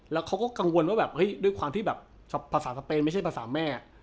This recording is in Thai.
แล้วเขาก็กังวลว่าด้วยความที่ภาษาสเปนไม่ใช่ภาษาแม่